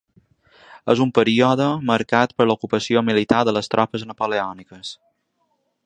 És un període marcat per l’ocupació militar de les tropes napoleòniques.